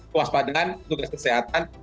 kewaspadaan petugas kesehatan